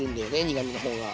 苦みの方が。